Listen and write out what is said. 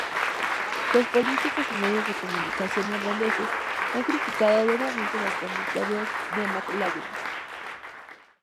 Los políticos y medios de comunicación irlandeses han criticado duramente los comentarios de McLaughlin.